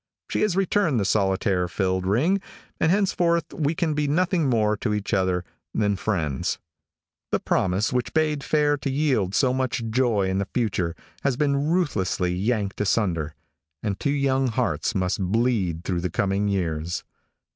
She has returned the solitaire filled ring, and henceforth we can be nothing more to each other than friends. The promise which bade fair to yield so much joy in the future has been ruthlessly yanked asunder, and two young hearts must bleed through the coming years.